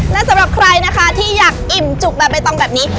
และสำหรับใครนะคะที่อยากอิ่มจุกแบบใบตองแบบนี้